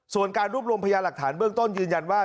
ส่วนการรวบรวมพยาหลักฐานเบื้องต้นยืนยันว่า